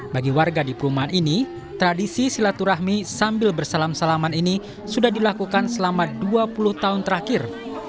bagi warga di perumahan ini tradisi silaturahmi sambil bersalam salaman ini sudah dilakukan selama dua puluh tahun terakhir